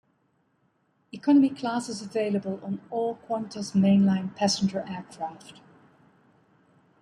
Economy class is available on all Qantas mainline passenger aircraft.